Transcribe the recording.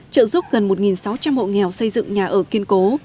trợ giúp gần một sáu trăm linh hộ nghèo xây dựng nhà ở kiên cố